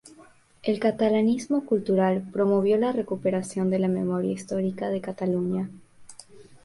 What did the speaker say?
El catalanismo cultural promovió la recuperación de la memoria histórica de Cataluña.